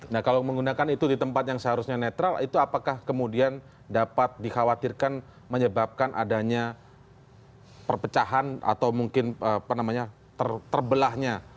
nah kalau menggunakan itu di tempat yang seharusnya netral itu apakah kemudian dapat dikhawatirkan menyebabkan adanya perpecahan atau mungkin terbelahnya